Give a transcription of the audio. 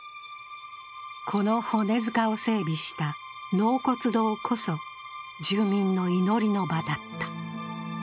この骨塚を整備した納骨堂こそ、住民の祈りの場だった。